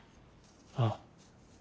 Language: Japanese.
ああ。